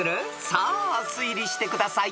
［さあ推理してください］